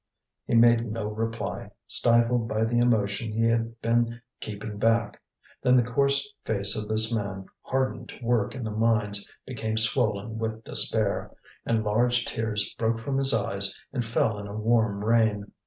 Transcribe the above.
He made no reply, stifled by the emotion he had been keeping back. Then the coarse face of this man hardened to work in the mines became swollen with despair, and large tears broke from his eyes and fell in a warm rain.